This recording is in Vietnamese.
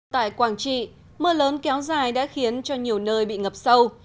tại quảng trị mưa lớn kéo dài đã khiến cho nhiều nơi bị ngập sâu